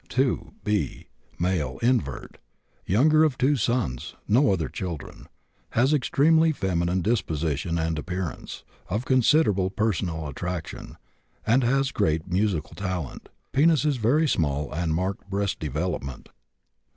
2. B., male, invert, younger of 2 sons, no other children, has extremely feminine disposition and appearance, of considerable personal attraction, and has great musical talent. Penis very small and marked breast development.